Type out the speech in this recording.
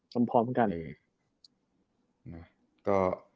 พร้อมพร้อมเหมือนกัน